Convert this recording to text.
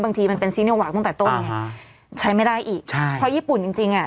บางทีมันเป็นตั้งแต่ต้นใช้ไม่ได้อีกใช่เพราะญี่ปุ่นจริงจริงอ่ะ